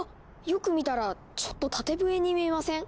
よく見たらちょっと縦笛に見えません？